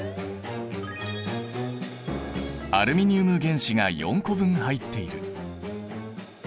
アルミニウム原子が４個分入っている。